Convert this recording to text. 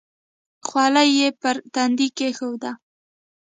خولۍ یې پر تندي کېښوده.